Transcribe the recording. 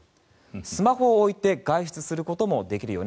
スマホを置いて外出することもできるよね？